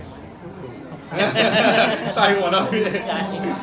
ใส่หัวเรา